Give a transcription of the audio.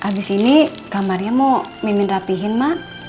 abis ini kamarnya mau mimin rapihin mah